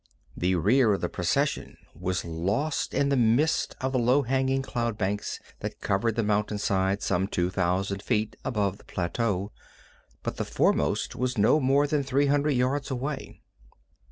The rear of the procession was lost in the mist of the low hanging cloud banks that covered the mountainside some two thousand feet above the plateau, but the foremost was no more than three hundred yards away.